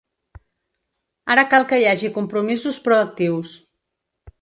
Ara cal que hi hagi compromisos proactius.